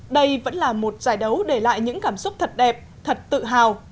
đây vẫn là một giải đấu để lại những cảm xúc thật đẹp thật tự hào